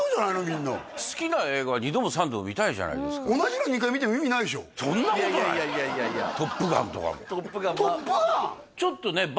みんな好きな映画は２度も３度も見たいじゃないですか同じの２回見ても意味ないでしょそんなことない「トップガン」とかも「トップガン」？